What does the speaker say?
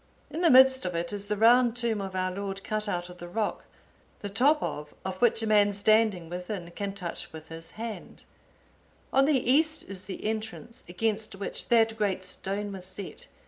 (862) In the midst of it is the round tomb of our Lord cut out of the rock, the top of of which a man standing within can touch with his hand; on the east is the entrance, against which that great stone was set.